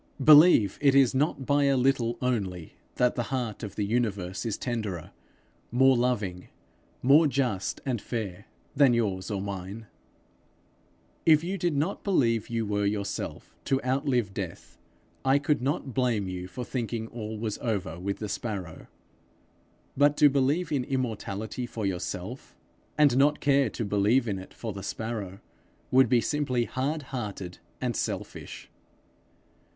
Believe it is not by a little only that the heart of the universe is tenderer, more loving, more just and fair, than yours or mine. If you did not believe you were yourself to out live death, I could not blame you for thinking all was over with the sparrow; but to believe in immortality for yourself, and not care to believe in it for the sparrow, would be simply hard hearted and selfish.